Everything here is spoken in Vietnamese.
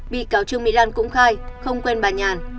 bị cáo trương mỹ lan cũng khai không quen bà nhàn